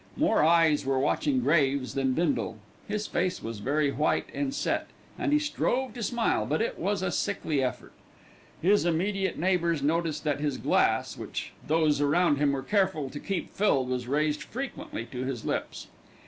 More eyes were watching Graves than Bindle. His face was very white and set, and he strove to smile; but it was a sickly effort. His immediate neighbours noticed that his glass, which those around him were careful to keep filled, was raised frequently to his lips.